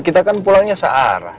kita kan pulangnya searah